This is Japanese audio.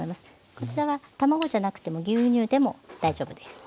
こちらは卵じゃなくても牛乳でも大丈夫です。